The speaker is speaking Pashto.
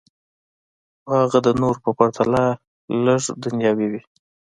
خو هغه د نورو په پرتله لږې دنیاوي وې